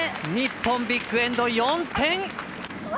日本、ビッグエンド４点！